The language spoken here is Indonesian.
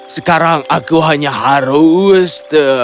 sekarang aku hanya harus